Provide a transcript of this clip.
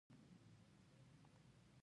د ژمي وچې میوې د توشې په توګه دي.